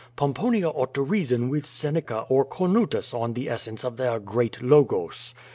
Pomponia ought to reason with Seneca or Cornutus on the essence of their great Logos.